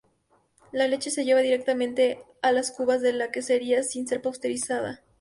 La leche se lleva directamente a las cubas de la quesería sin ser pasteurizada.